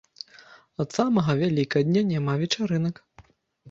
Ад самага вялікадня няма вечарынак.